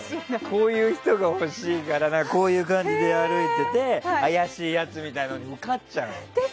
こういう人が欲しいからうつむいて歩いていて怪しいやつみたいなのに受かっちゃうの。